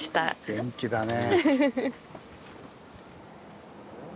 元気だね。